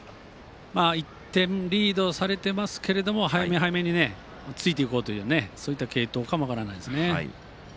１点リードされてますが早め早めについていこうというそういう継投かもしれないですよね。